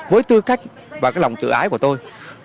với tư cách và lòng tự ái của tôi